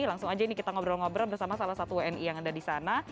langsung aja ini kita ngobrol ngobrol bersama salah satu wni yang ada di sana